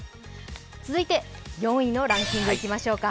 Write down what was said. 続いて４位のランキングいきましょうか。